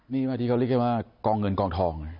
นี่ไหมที่เขาเรียกกันว่ากองเงินกองทอง